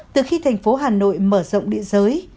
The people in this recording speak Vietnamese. từ khi thành phố hà nội mở rộng địa giới